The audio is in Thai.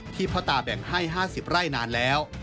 พ่อตาแบ่งให้๕๐ไร่นานแล้ว